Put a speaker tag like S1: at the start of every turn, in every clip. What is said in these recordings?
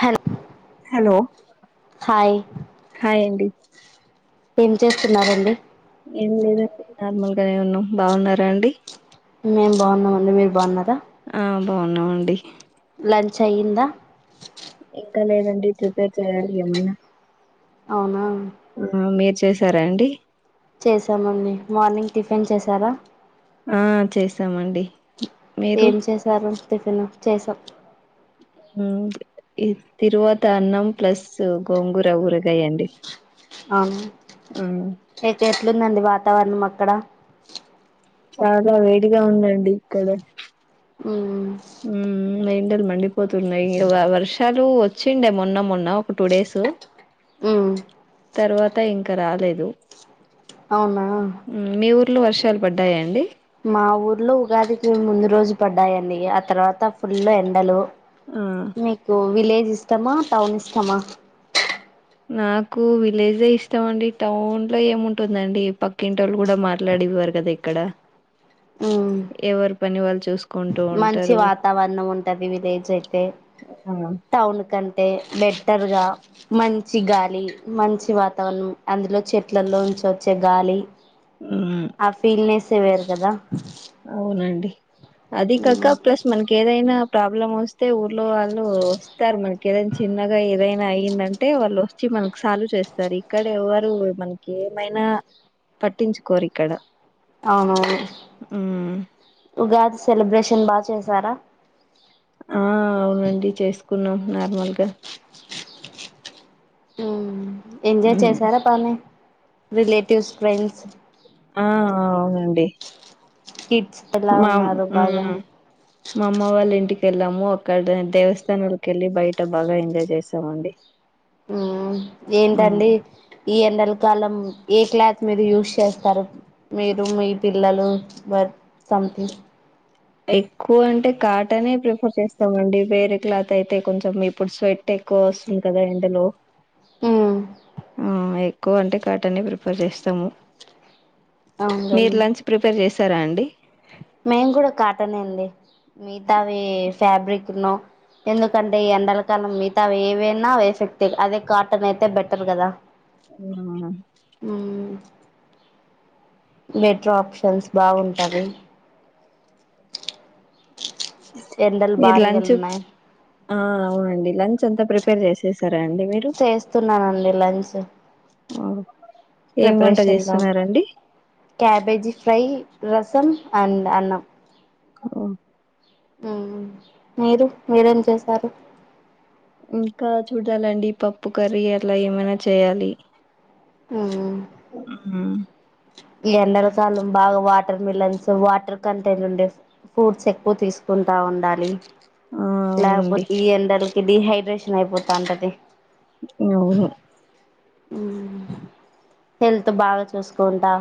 S1: Hello
S2: hello
S1: hi
S2: hi అండి
S1: ఏం చేస్తున్నారండి
S2: ఏం లేదండి నార్మల్ గానే ఉన్నామ్ బాగున్నారా అండి
S1: మేం బాగున్నామండి మీరు బాగున్నారా
S2: ఆ బాగున్నామండి
S1: లంచ్ అయ్యిందా
S2: క లేదండి చేయాలయమైనా
S1: అవునా
S2: ఆ మీర్ చ్ చేసారా అండి
S1: చేసామండి మార్నింగ్ టిఫిన్ చేశారా
S2: ఆ చేసామండి మీరు
S1: ఏం చేసారు టిఫన్ చేసాం
S2: ఉమ్ ఈ తిరువాత అన్నం ప్లస్ గోంగూర ఊరగాయ అండి
S1: అవున
S2: ఉ
S1: ఏట్లుందండి వాతావరణం అక్కడ
S2: చాలా వేడిగా ఉందండి ఇక్కడ
S1: ఉ
S2: ఉమ్ మెయిన్ ల్ మండి పోతున్నాయి వ వర్షాలు ఊ వచ్చిండే మొన్న మొన్న ఒక టూ డేస్
S1: ఉ
S2: తర్వాత ఇంక రాలేదు
S1: అవునా
S2: ఫుల్ వర్షాల్ పడ్డాయండి
S1: ఆ ఊర్లో ఉగాదికి ముందు రోజు పడ్డాయండి అ తర్వాత ఫుల్లు ఎండలు
S2: ఆ
S1: మీకు విలేజ్ ఇష్టమా టౌన్ ఇష్టమా
S2: నాకు విలేజే ఇష్టం అండి టౌన్ లో ఏముంటుందండి పక్కింటోళ్ళు కూడా మాట్లాడేవారు కదా ఇక్కడ
S1: మ్మ్
S2: ఎవర్ పనివాల్లు చూసు
S1: మంచి వాతావరణం ఉంటది విలేజ్ అయితే
S2: ఆ
S1: టౌన్ కన్ అంటే బెటర్గా మంచి గాలి మంచి వాతావరణం అందులో చెట్లలో ఉంచి వచ్చే గాలి
S2: మ్మ్
S1: ఆ ఫీల్నేెస్ సేవేరు కదా
S2: అవునండి అది కాక ప్లస్ మనకి ఏదైనా ప్రాబ్లం ఓస్తే ఊర్లో వాళ్ళు వస్తారు మనకి ఏదైనా చిన్నగా ఏదైనా అయిందంటే వాళ్ళు వచ్చి మనకి సాల్వ్ చేస్తారు ఇక్కడ ఎవరు మనకి ఏమైనా పట్టించుకోరు ఇక్కడ
S1: అవునవును
S2: మ్మ్
S1: ఉగాది సెలబ్రేషన్ చికెన్ బాగా చేశారా
S2: ఆ అవునండి చేసుకున్నాం నార్మల్గా
S1: ఉ ఎంజాయ్
S2: మ్మ్
S1: చేశారా బానె రిలేటివ్స్ ఫ్రెండ్స్
S2: ఆ అవునండి
S1: ఇ
S2: మా ఊ మా అమ్మ వాళ్ళ ఇంటికి వెళ్ళాము అక్కడ దేవస్థానాలకి వెళ్ళి బయట బాగా ఎంజాయ్ చేసామండి
S1: ఉ
S2: ఉమ్.
S1: ఏంటండి ఈ ఎండలు కాలం ఏ క్లాత్ మీరు యూస్ చేస్తారు మీరు మీ పిల్లలు వర్ సంథింగ్
S2: ఎక్కువ అంటె కాటనే ప్రిఫర్ చేస్తామండి వేరే క్లాత్ అయితే కొంచెం ఇప్పుడు స్వెట్ ఎక్కువ వస్తుంది కదా ఇందులో
S1: హ్మ్
S2: ఎక్కువ అంటే కాటనే ప్రిపేర్ చేస్తాము మీరు
S1: అవునులేండి
S2: లంచ్ ప్రిపేర్ చేశారా అండి
S1: కాటన్ ఏంది మిగతావి ఫ్యాబ్రిక్ నో ఎందుకంటే ఎండల కాలం మిగతావి ఏవైనా వేసేస్తాయి అదే కాటన్ అయితే బెటర్ కదా
S2: ఉ
S1: మెట్రో ఆప్షన్స్ బాగుంటవి ఎండలు
S2: మీరు
S1: భారీగాలు
S2: లంచ్
S1: ఉన్నాయి
S2: ఆ అవునండి లంచ్ అంత ప్రిపేర్ చేసేసార్
S1: చేస్తున్నానండి లంచ్
S2: ఓ, ఏం వంట
S1: ప్రిపరేషన్గా
S2: చేస్తున్నారండి
S1: క్యాబేజీ ఫ్రై రసం అండ్ అన్నం
S2: ఓ
S1: ఉమ్ మీరు మీరేం చేశారు
S2: ఇంకా చూడాలండి పప్పు కర్రీ అట్లా ఏమైనా చేయాలి
S1: ఉమ్ ఉ
S2: ఉమ్.
S1: ఈ ఎండల కాలం బాగా వాటర్ మిలన్స్ వాటర్ కంటెంట్ ఉండే ఫూట్స్ ఎక్కువ తీసుకుంటా ఉండాలి
S2: ఆ అవునండి
S1: లేకపోతి ఈ ఎండ లు డీహైడ్రేషన్ అయిపోతా అంటది
S2: అవును
S1: హ్మ్ హెల్త్ బాగా చూసుకో కొంటా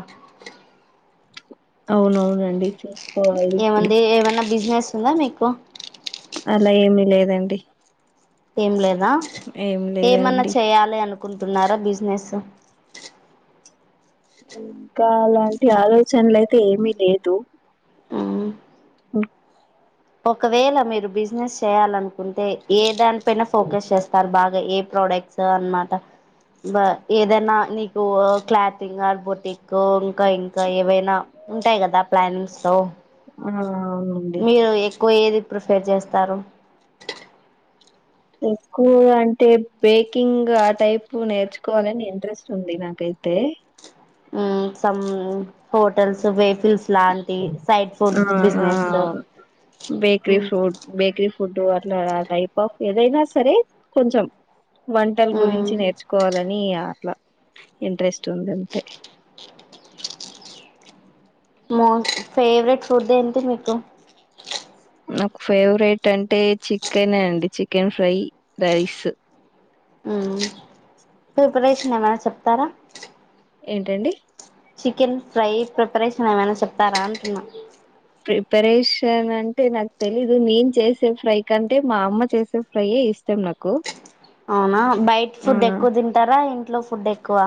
S2: అవునవునండి చేసుకోవాలి ఇప్పుడు
S1: ఏమంది ఏమైన్నా బిజినెస్ దస్తుంద మీకు
S2: అలా ఏమి లేదండి
S1: ఏం లేద నా
S2: ఏం
S1: ఏమన్నా
S2: లేదండి
S1: చేయాలి అనుకు కుంటున్నారా బిజినెస్
S2: ఇంకా అలాంటి ఆలోచనలుయితే ఏమి లేదు
S1: మ్
S2: ఓ
S1: ఒకవేళ మీరు బిజినెస్ చేయాలనుకు కుంటే ఏ దానిపైన ఫోకస్ చేస్తారు బాగా ఏ ప్రోడక్ట్స్ అనమాట బ ఏదైనా నీకు క్లాథంగ్ ఆర్బోటిక్ ఇంకా ఇంకా ఏవైనా ఉంటాయి కదా ప్లానింగ్స్ త
S2: ఆ అవునండి
S1: ఎకువా ఏది ప్రిఫేర్ చేస్తారు
S2: ఎక్కువ అంటే బేకింగ్ ఆ టైప్ నేర్చుకోవాలని ఇంట్రెస్ట్ ఉంది నాకైతే
S1: ఉమ్ సమ్ హోటల్స్ బే
S2: ఆ అ
S1: బిజినెస్
S2: అవును బేక్రి ఫ్రూడ్ బేక్రి ఫుడ్ అట్లా టైప్ ఆఫ్ ఏదైనా సరే కొంచం వంటల
S1: మ్మ్
S2: గురించి నేర్చుకోవాలని ఈ అట్లా ఇంట్రెస్ట్ ఉందంతే
S1: మో [unintelligible] ఫేవరెట్ ఫుడ్ ఏంటి మీకు
S2: నాకు ఫేవరెట్ అం టే చికన్ అండి చికెన్ ఫ్రై రైసు
S1: ఊ ప్రిపరేషన్ ఏమన చెప్ తారా
S2: ఏంటండి
S1: చికెన్ ఫ్రై ప్రిపరేషన్ ఏమన చెప్ స్తారా అంటున్నా
S2: ప్రిపరేషన్ అంటే నాకు తెలీదు నేను చేసే ఫ్రై కంటే మా అమ్మ చేసే ఫ్రైయే ఇష్టం నాకు
S1: అవునా బైట్
S2: ఆ
S1: ఫుడ్ ఎక్కువ తింటారా ఇం ట్లో ఫుడ్ ఎక్కువ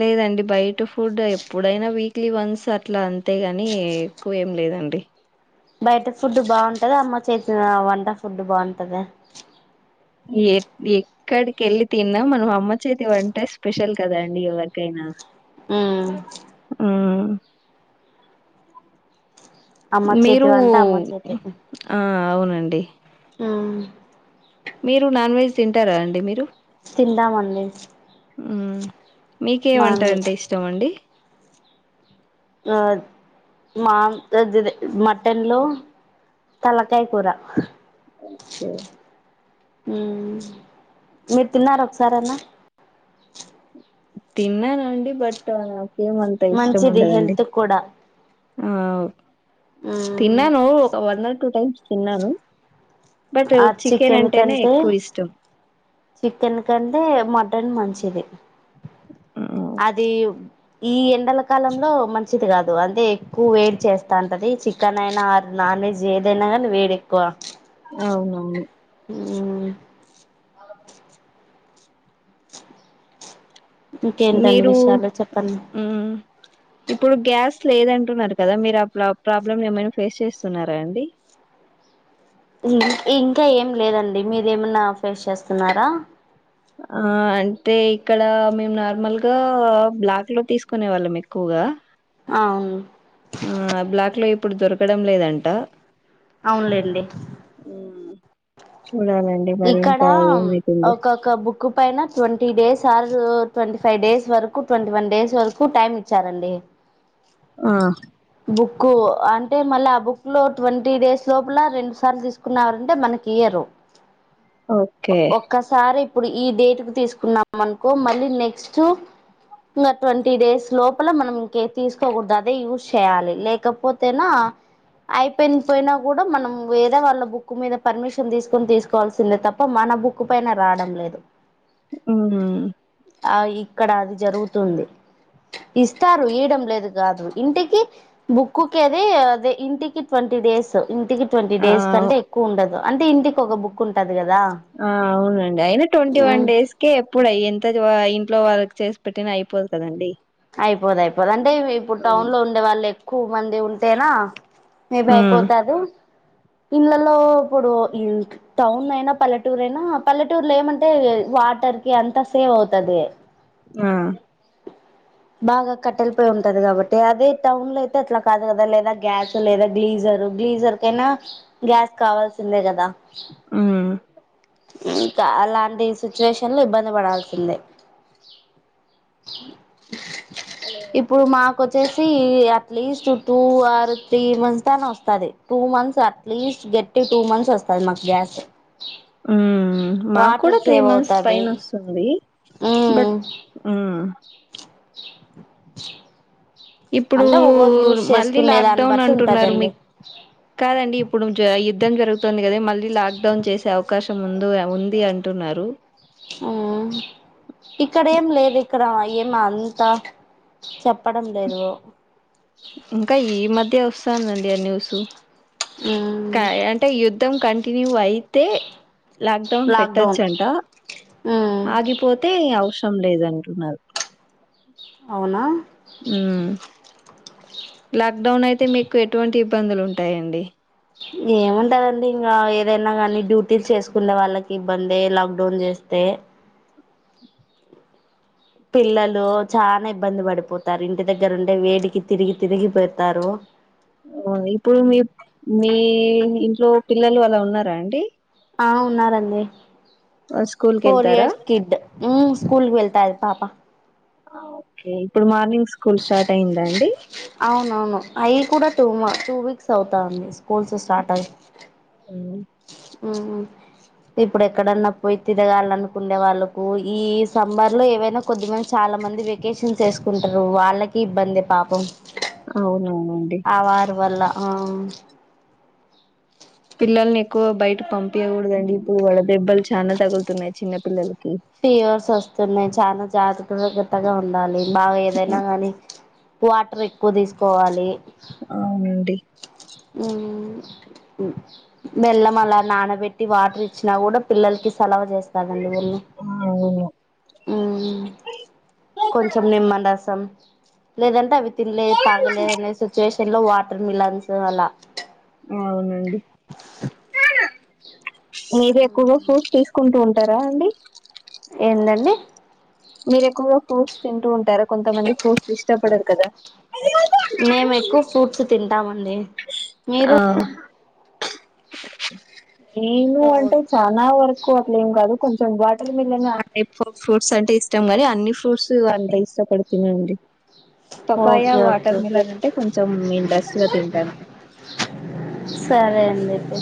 S2: లేదండి బయట ఫుడ్ ఎప్పుడైనా వీక్లీ వన్స్ అట్లా అంతేగాని ఎక్కువేం లేదండి
S1: బయట ఫుడ్ బాగుంటద అమ్మ చేతిిన వంట ఫుడ్డు బాగుంటద
S2: ఎ ఎక్కడికి వెళ్ళి తిన్నా మనం అమ్మ చేతి వంటే స్పెషల్ కదండి ఎవరికైనా
S1: ఊ
S2: ఊ
S1: అమ్మ
S2: మీరు
S1: చేతి వంట అమ్మ చేతి
S2: ఆ అవునండి
S1: మ్మ్
S2: మీరు నాన్ వెజ్ తింటారా అండి మీరు
S1: తింటా మండి
S2: ఊ మీకేవంటంటే ఇష్టం అండి
S1: ఆ మా అజిదే మటన్ లో తలకాయ కూర
S2: ఓకే
S1: ఊ మీరు తిన్నార ఒకసారన్న
S2: తిన్నానండి బట
S1: మంచిది హెల్త్ కూడా
S2: ఆవ్
S1: మ్మ్
S2: తిన్నాను ఒక వన్ ఆర్ టూ టైమ్ తిన్నాను బట్
S1: ఆ చికెన్
S2: అంటేనే
S1: కంటే
S2: ఎక్కువ ఇష్టం
S1: చికెన్ కంటే మటన్ మంచి ఇది అది ఈ ఎండల కాలంలో మంచిది కాదు అంతే ఎక్కువ వేడి చేస్తా అంటది చికెన్ అయినా నాన్ వెజ్ ఏదైనా కానీ వేడి ఎక్కువ
S2: అవునవును
S1: ఉం
S2: హలో
S1: ఇంకేంటండి
S2: మీరు
S1: విషయాలు చెప్పండి
S2: మ్మ్ ఇప్పుడు గ్యాస్ లేదంటున్నారు కదా మీరు ఆ ప్ల ప్రాబ్లము ను ఏమైనా ఫేస్ చేస్తున్నారా అండి
S1: ఇం ఇంకా ఏం లేదండి మీరేమన్నా ఫేస్ చేస్తున్నారా
S2: ఆ అంటే ఇక్కడ మేము నార్మల్గా బ్లాక్ లో తీసుకునే వాళ్ళం ఎక్కువగా
S1: అవును
S2: ఆ బ్లాక్లో ఇప్ ఇప్పుడు దొరకడం లేదంట
S1: అవునులేండి
S2: మ్మ్ చూడాలండి మరి
S1: ఇక్కడ
S2: ఇంకా ఏమైతుందో
S1: ఒకొక్క బుక్ పైన ట్వంటీ డేస్ అల్ కు ట్వంటీ ఫైవ్ డేస్ వరకు ట్వంటీ వన్ డేస్ వరకు టైమ్ ఇచ్చారండి
S2: ఆ
S1: బుక్ అంటే మళ్ళ ఆ బుక్ లో ట్వంటీ డేస్ లోపల రెండు సార్లు తీసుకున్నరంటే మన కియరు ఓ
S2: ఓకే
S1: ఒక్కసారి ఇప్పుడు ఈ డేట్ కు తీసుకున్నాం అనుకో మళ్ళీ నెక్స్ట్ ఇంగా ట్వంటీ డేస్ లోపల మనం ఇంక తీసుకోకూడదు అదే యూస్ చేయాలి లేకపోతేనా అయిపోయినపోయినా కూడా మనం వేరే వాళ్ళ బుక్ మీద పర్మిషన్ తీసుకొని తీసుకు కోవాల్సిందే తప్ప మన బుక్ పైన రాడం లేదు
S2: ఉహు
S1: ఆ ఇక్కడ అది జరుగుతుంది ఇస్తారు ఈయడం లేదు కాదు ఇంటికి బుక్కు కేది అదే ఇంటికి ట్వంటీ డేస్ ఇంటికి ట్వంటీ
S2: ఆ
S1: డేస్ కంటే ఎక్కువ ఉండదు అంటే ఇంటికి ఒక బుక్ ఉంటది కదా
S2: ఆ అవునండి అయినా ట్వంటీ వన్
S1: ఉమ్
S2: డేస్ కే ఎప్పుడయ్యేంత ఆ ఇంట్లో వాళ్ళకి చేసి పెట్టిన అయిపోదు కదండి
S1: అయిపోదు అయిపోదు అంటే ఇప్పుడు
S2: మ్మ్
S1: టౌన్ లో ఉండే వాళ్ళే ఎక్కువ మంది ఉంటెనా మే బి అయిపోతాదు ఇళ్లలో ఇప్పుడు ఇన్ టౌన్ అయినా పల్లెటూరు అయినా పల్లెటూరులో ఏమంటే వాటర్ కి అంతా సేవ్ అవుతది
S2: ఆ
S1: బాగా కట్టెలపోయి ఉంటది కాబట్టి అదే టౌన్ లో అయితే అట్లా కాదు కదా లేదా గ్యాస్ లేదా గ్లీజర్ గ్లీజర్ కైనా గ్యాస్ కావాల్సిందే కదా
S2: ఆ
S1: ఇంకా అలాంటి సిచ్యువేషన్ లో ఇబ్బంది పడాల్సిందే ఇప్పుడు మా కొ వచ్చేసి at least two or three months తన వస్తది టూ మంత్స్ అట్లీస్ట్ గట్టి టూ మంత్స్ వస్తది మాకు గ్యాస్
S2: ఉ మాకు కూడా
S1: వాటర్
S2: త్రీ
S1: సేవ్
S2: మంత్స్
S1: అవుతది
S2: పైన వస్తుంది బట్
S1: ఉమ్
S2: ఉమ్ ఉ ఇప్పుడు
S1: అంటే ఒకరు యూస్
S2: మళ్ళీ
S1: చేసుకునే దాన్ని
S2: లాక్డౌన్
S1: బట్టి
S2: అంటున్నారు
S1: ఉంటదండి
S2: మీకు కాదండి ఇప్పుడు యుద్ధం జరుగుతుంది అదే మళ్ళీ లాక్ డౌన్ చేసే అవకాశం ఉందు ఉంది అంటున్నారు
S1: ఉమ్ ఇక్కడ ఏం లేదు ఇక్క ఇక్కడ ఏం అంతా చెప్పడం లేదు
S2: ఇంకా ఈ మధ్య వస్తుందండి ఆ న్యూస్
S1: మ్మ్
S2: కా అంటే యుద్ధం కంట టిని వైతే లాక్డౌన్ పెట్టొచ్చంట
S1: మ్మ్
S2: ఆగిపోతే ఔష ఇష్టం లేదంటున్నారు
S1: అవునా
S2: లాక్ డౌన్ అయితే మీకు ఎటువంటి ఇబ్బందులు ఉంటాయండి
S1: ఏముంటదండి ఇంకా ఏదైనా కానీ డ్యూటీస్ చేసుకునే వాళ్ళకి ఇబ్బంది లాక్డౌన్ చేస్తే పిల్లలు చాలా ఇబ్బంది పడిపోతారు ఇంటి దగ్గరుంటే వేడికి తిరిగి తిరిగిపోతారు
S2: ఉమ్ ఇప్పుడు మీ మీ ఇంట్లో పిల్లలు అలా ఉన్నారా అండి
S1: ఆ ఉన్నారండి
S2: వాళ్ళు స్కూల్ కి
S1: ఫోర్
S2: వెళ్తారా
S1: ఇయర్స్ కిడ్ ఉమ్ స్కూల్ వెళ్తా పాపా
S2: ఆ ఓకే ఇప్పుడు మార్నింగ్ స్కూల్ స్టార్ట్ అయిందండి
S1: అవునవును అయి కూడా టూ టూ వీక్స్ అవుతా అండి స్కూల్స్ స్టార్ట్ అయి
S2: ఉమ్
S1: ఉమ్ ఇప్పుడు ఎక్కడన్నా పోయి తిరగాలనుకుండే వాళ్ళలకు ఈ సబర్ లో ఏవైనా కొద్దిమంది చాలా మంది వెకేషన్స్ వేసుకుంటారు వాళ్ళకి ఇబ్బంది పాపం
S2: అవునవునండి
S1: ఆవారు వల్ల అ
S2: పిల్లల్ని ఎక్కువ బయట పంపయకూడదండి ఇప్పుడు వడ దెబ్బలు చానా తగులుతున్నాయి చిన్న పిల్లలు
S1: పిర్ స్వస్స్తన్నాయి చా జత కత్తగా ఉండాలి బాగా ఏదైనా గానీ వాటర్ ఎక్కువ తీసుకోవాలి
S2: అవునండి
S1: ఉమ్ మెల్లం అలా నానబెట్టి వాటర్ ఇచ్చినా కూడా పిల్లలకి సలవా ఛెస్తాధి అండీ ఊళ్ళ
S2: అవును
S1: ఉమ్ కొంచం నిమ్మరసం లేదంటే అవి తినలే తాగలేదనే సిచ్యువేషన్ లో వాటర్ మిలన్స్ అలా
S2: అవునండి మీర ఎక్కువగా ఫ్రూట్స్ తీసుకుంటూ ఉంటారా అండి
S1: ఏంటండి
S2: మీరు ఎక్కువగా ఫ్రూట్స్ తింటూ ఉంటారా కొంతమంది ఫ్రూట్స్ ఇష్టపడరు కదా
S1: మేము ఎక్కువ ఫ్రూట్స్ తింటామండి మీరు
S2: అవు నేను అంటే చానా వరకు అట్ల ఏం కాదు కొంచెం వాటర్ మిలన్ ఆ టైప్ ఆఫ్ ఫ్రూట్స్ అంటే ఇష్టం నీ అన్ని ఫ్రూట్స్ అంత ఇష్టపడుతున్నాండి papaya
S1: okay okay
S2: water melon అంటే కొంచెం ఇంట్రస్ట్ గా తింటాను
S1: సర్ ఎందితే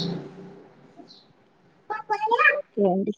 S2: ఓకే అండి